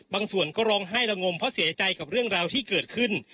บางส่วนก็ร้องไห้ละงมเพราะเสียใจกับเรื่องราวที่เกิดขึ้น